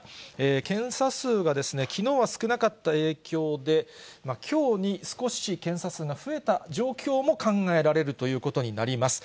検査数がきのうは少なかった影響で、きょうに少し検査数が増えた状況も考えられるということになります。